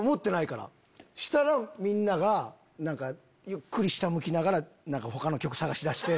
したらみんながゆっくり下向きながら他の曲探しだして。